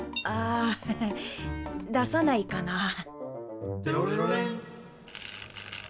ああ出さないかな。